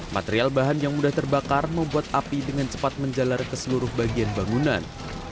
material bahan yang mudah terbakar membuat api dengan cepat menjalar ke seluruh bagian bangunan